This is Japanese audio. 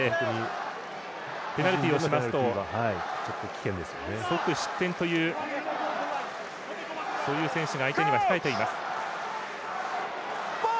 ペナルティをしますと即失点というそういう選手が相手には控えています。